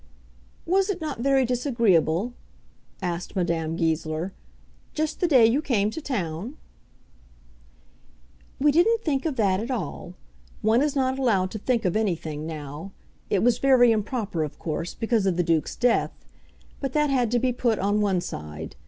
"Was it not very disagreeable," asked Madame Goesler, "just the day you came to town?" "We didn't think of that at all. One is not allowed to think of anything now. It was very improper, of course, because of the Duke's death; but that had to be put on one side.